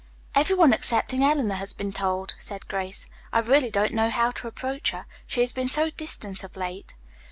"Every one excepting Eleanor has been told," said Grace. "I really don't know how to approach her. She has been so distant of late."